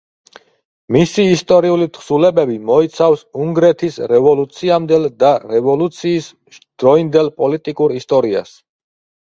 მისი ისტორიული თხზულებები მოიცავს უნგრეთის რევოლუციამდელ და რევოლუცის დროინდელ პოლიტიკურ ისტორიას.